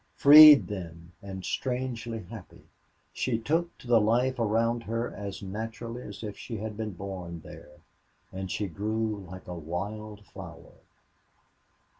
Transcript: Freed then, and strangely happy, she took to the life around her as naturally as if she had been born there, and she grew like a wild flower.